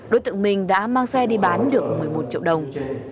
đối tượng mình đã mang xe đi bán được một mươi một triệu đồng